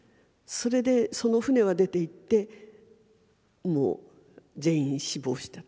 それでその船は出ていってもう全員死亡した。